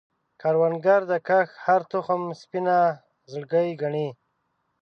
کروندګر د کښت هره تخم سپینه زړګی ګڼي